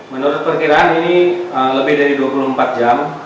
menurut perkiraan ini lebih dari dua puluh empat jam